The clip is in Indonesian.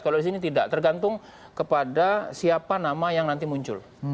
kalau di sini tidak tergantung kepada siapa nama yang nanti muncul